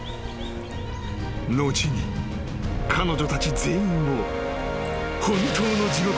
［後に彼女たち全員を］